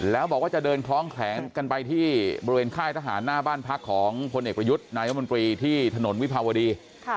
แล้วบอกว่าจะเดินคล้องแขนกันไปที่บริเวณค่ายทหารหน้าบ้านพักของพลเอกประยุทธ์นายมนตรีที่ถนนวิภาวดี